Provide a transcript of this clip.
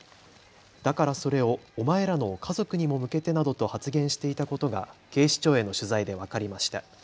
だからそれをお前らの家族にも向けてなどと発言していたことが警視庁への取材で分かりました。